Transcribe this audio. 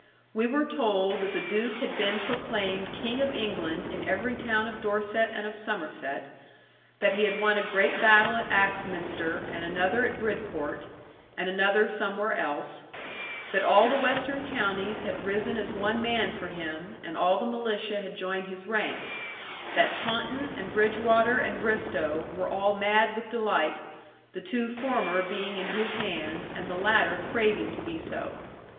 We were told that the Duke had been proclaimed King of England in every town of Dorset and of Somerset; that he had won a great battle at Axminster, and another at Bridport, and another somewhere else; that all the western counties had risen as one man for him, and all the militia had joined his ranks; that Taunton, and Bridgwater, and Bristowe, were all mad with delight, the two former being in his hands, and the latter craving to be so.